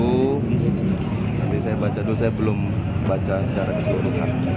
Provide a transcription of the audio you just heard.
tapi saya baca dulu saya belum baca secara keseluruhan